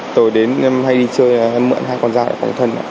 tối đến em hay đi chơi em mượn hai con dao để phòng thân